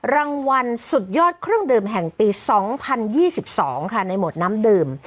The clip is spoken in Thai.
รางวัลสุดยอดเครื่องดื่มแห่งปีสองพันยี่สิบสองค่ะในหมวดน้ำดื่ม